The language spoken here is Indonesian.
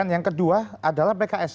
yang kedua adalah pks